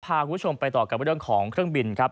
พาคุณผู้ชมไปต่อกับเรื่องของเครื่องบินครับ